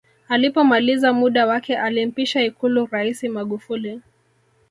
alipomaliza muda wake alimpisha ikulu raisi magufuli